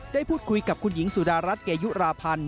ได้พูดคุยกับคุณหญิงสุดารัฐเกยุราพันธ์